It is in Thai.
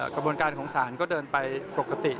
กระบวนการของศาลก็เดินไปปกติ